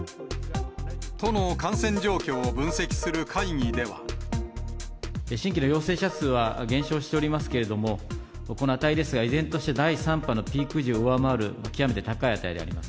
都の感染状況を分析する会議新規の陽性者数は減少しておりますけれども、この値ですが、依然として、第３波のピーク時を上回る極めて高い値であります。